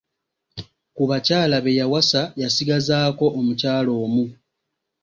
Ku bakyala be yawasa, yasigazaako omukyala omu.